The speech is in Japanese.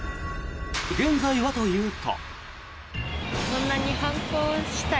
現在はというと。